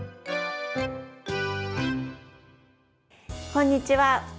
こんにちは。